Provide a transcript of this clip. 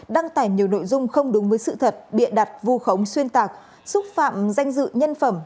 đăng tải nhiều nội dung không đúng với sự thật bịa đặt vu khống xuyên tạc xúc phạm danh dự nhân phẩm